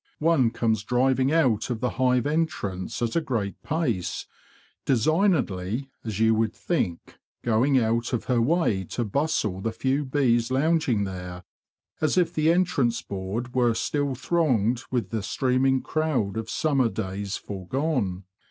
One comes driving out of the hive entrance at a great pace, designedly, as you would think, going out of her way to bustle the few bees lounging there, as if the entrance board were still thronged with the streaming crowd of summer days foregone.